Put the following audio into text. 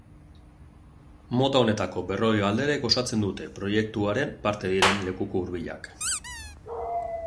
Mota honetako berrogei galderek osatzen dute proiektuaren parte diren lekuko hurbilak.